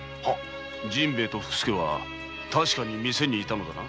陣兵衛と福助は確かに店に居たのだな。